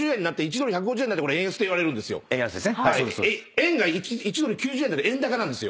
円が１ドル９０円だと円高なんですよ。